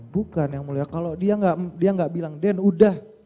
bukan yang mulia kalau dia gak bilang den udah